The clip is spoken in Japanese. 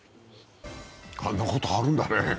あんなことあるんだね。